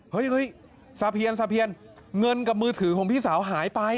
เฮ้ยซาเพียนซาเพียนเงินกับมือถือของพี่สาวหายไป